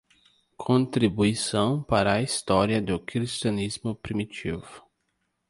Contribuição Para a História do Cristianismo Primitivo